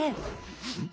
うん？